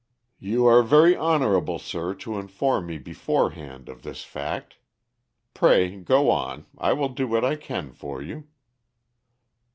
"You are very honorable, sir, to inform me, beforehand, of this fact. Pray go on. I will do what I can for you."